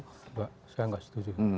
saya tidak setuju